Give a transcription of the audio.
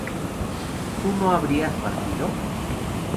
¿tú no habrías partido?